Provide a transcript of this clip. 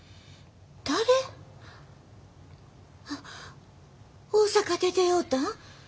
あっ大阪で出会うたん？